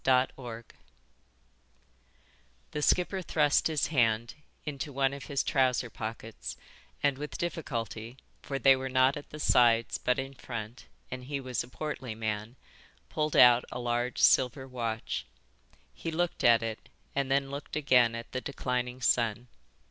IV Red THE skipper thrust his hand into one of his trouser pockets and with difficulty, for they were not at the sides but in front and he was a portly man, pulled out a large silver watch. He looked at it and then looked again at the declining sun.